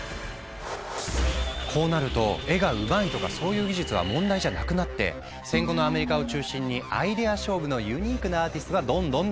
こうなると絵がうまいとかそういう技術は問題じゃなくなって戦後のアメリカを中心にアイデア勝負のユニークなアーティストがどんどん登場。